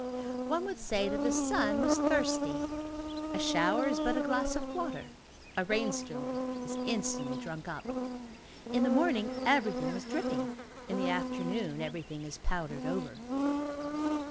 One would say that the sun was thirsty. A shower is but a glass of water; a rainstorm is instantly drunk up. In the morning everything was dripping, in the afternoon everything is powdered over.